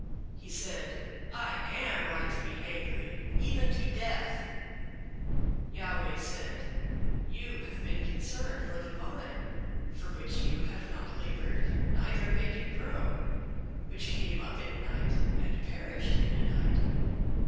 He said, "I am right to be angry, even to death." 004:010 Yahweh said, "You have been concerned for the vine, for which you have not labored, neither made it grow; which came up in a night, and perished in a night.